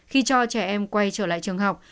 khi cho trẻ em quay trở lại trường học